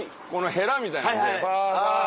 ヘラみたいのでパ